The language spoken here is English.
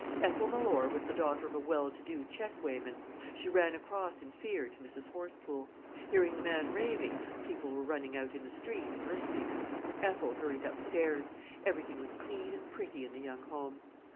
Ethel Mellor was the daughter of a well to do check weighman. She ran across in fear to Mrs Horsepool. Hearing the man raving, people were running out in the street and listening. Ethel hurried upstairs. Everything was clean and pretty in the young home.